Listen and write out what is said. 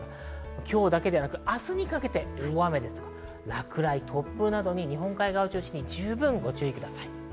今日だけでなく明日にかけて大雨や落雷・突風などに、日本海側を中心に十分にご注意ください。